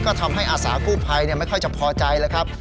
ก็ทำให้อาสากู้ภัยไม่ค่อยจะพอใจแล้วครับ